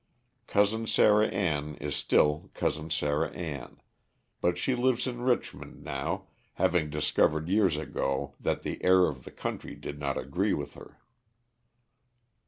Cousin Sarah Ann is still Cousin Sarah Ann, but she lives in Richmond now, having discovered years ago that the air of the country did not agree with her.